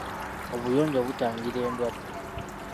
Obuyonjo butangira endwadde .